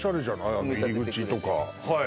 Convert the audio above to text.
あの入り口とかはい